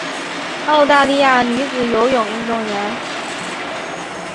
澳大利亚女子游泳运动员。